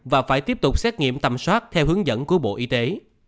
và phải tiếp tục xét nghiệm tầm soát theo hướng dẫn của bộ y tế